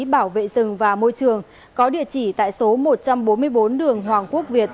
bảo vệ rừng và môi trường có địa chỉ tại số một trăm bốn mươi bốn đường hoàng quốc việt